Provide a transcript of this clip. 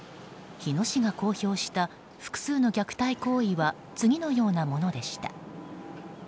日野市が公表した複数の虐待行為は次のようなものでした。